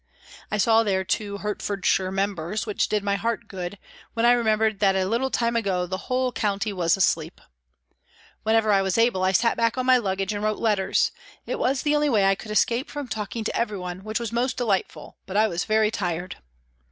I saw there two Hertfordshire members, which did my heart good, when I remembered that a little time ago the whole county was asleep. Whenever I was able, I sat back on my luggage and wrote letters ; it was the only way I could escape from talking to everyone, which was most delightful but I was very tired.